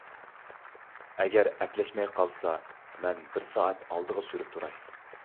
ئەگەر ئەپلەشمەي قالسا، مەن بىر سائەت ئالدىغا سۈرۈپ تۇراي.